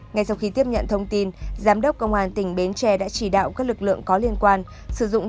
ngay sau khi tiếp nhận thông tin giám đốc công an tỉnh bến tre đã chỉ đạo các lực lượng có liên quan sử dụng